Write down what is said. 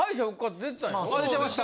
出てました。